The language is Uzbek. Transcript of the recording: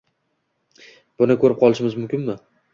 Buni ko’rib qolishimiz mumkinmi?